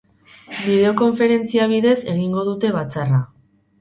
Bideokonferentzia bidez egingo dute batzarra.